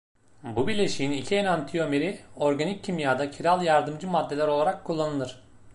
Bu bileşiğin iki enantiyomeri organik kimyada kiral yardımcı maddeler olarak kullanılır.